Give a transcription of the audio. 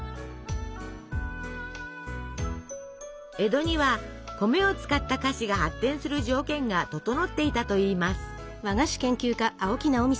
江戸には米を使った菓子が発展する条件が整っていたといいます。